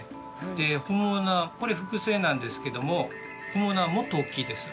で本物はこれ複製なんですけども本物はもっと大きいです。